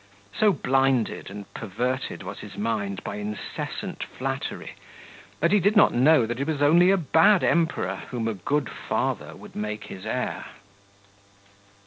So blinded and perverted was his mind by incessant flattery, that he did not know that it was only a bad Emperor whom a good father would make his heir.